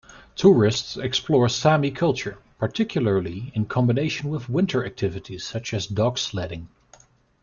Tourists explore sami culture, particularly in combination with winter activities such as dog sledding.